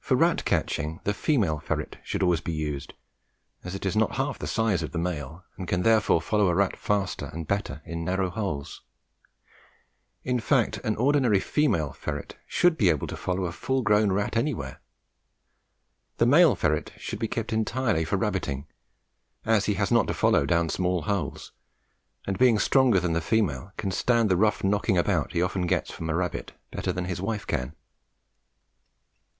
For rat catching the female ferret should always be used, as it is not half the size of the male, and can therefore follow a rat faster and better in narrow holes; in fact, an ordinary female ferret should be able to follow a full grown rat anywhere. The male ferret should be kept entirely for rabbiting, as he has not to follow down small holes, and being stronger than the female can stand the rough knocking about he often gets from a rabbit better than his wife can.